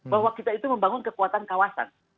bahwa kita itu membangun kekuatan kawasan